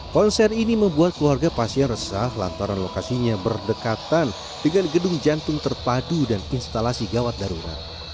konser ini membuat keluarga pasien resah lantaran lokasinya berdekatan dengan gedung jantung terpadu dan instalasi gawat darurat